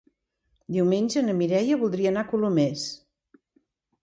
Diumenge na Mireia voldria anar a Colomers.